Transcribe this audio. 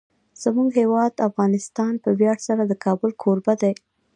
زموږ هیواد افغانستان په ویاړ سره د کابل کوربه دی.